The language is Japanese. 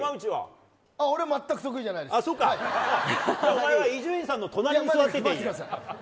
お前は伊集院さんの隣に座っておけばいいよ。